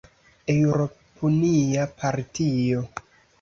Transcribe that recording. Eŭropunia partio.